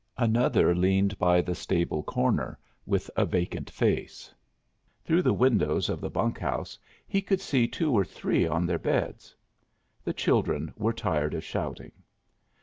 Another leaned by the stable corner, with a vacant face. Through the windows of the bunk house he could see two or three on their beds. The children were tired of shouting.